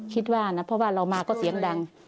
คิดว่านะเพราะว่าเรามาก็เสียงดัง